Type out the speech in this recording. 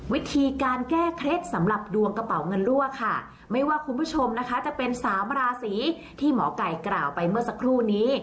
วิธีการแก้เคล็ดสำหรับดวงกระเป๋าเงินรั่วค่ะไม่ว่าคุณผู้ชมนะคะจะเป็นสามราศีที่หมอไก่กล่าวไปเมื่อสักครู่นี้